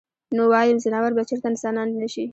نو وايم ځناور به چرته انسانان نشي -